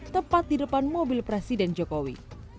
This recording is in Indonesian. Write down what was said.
tepat di depan mobil presiden jokowi